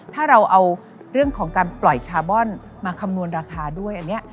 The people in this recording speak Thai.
ถ้าเราเอาเรื่องของการปล่อยคาร์บอนมาคำนวณราคาด้วยอันนี้